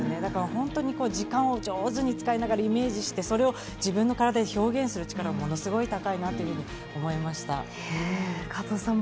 本当に時間を上手に使ってイメージして、それを自分の体で表現する力がすごく強いと思いました。